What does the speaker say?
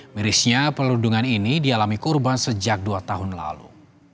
mirisnya pelundungan ini dialami korban sejak dua tahun lalu